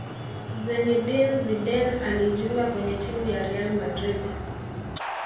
zinedine Zidane alijiunga kwenye timu ya real madrid